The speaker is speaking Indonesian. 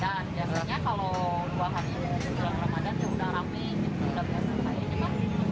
biasanya kalau dua hari jelang ramadan ya udah rame